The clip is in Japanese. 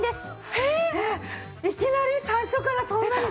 えっいきなり最初からそんなに。